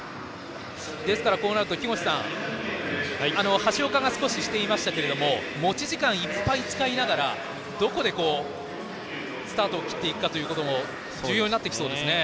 ですから、こうなると木越さん橋岡が少ししていましたが持ち時間いっぱい使いながらどこでスタートを切っていくかも重要になってきそうですね。